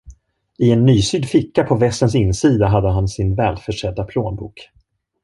I en nysydd ficka på västens insida hade han sin välförsedda plånbok.